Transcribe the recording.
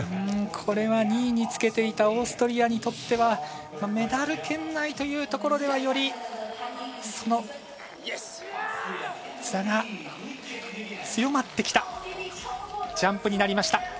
これは２位につけていたオーストリアにとってはメダル圏内というところではよりその差が強まってきたジャンプになりました。